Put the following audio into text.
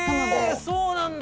そうなんだ！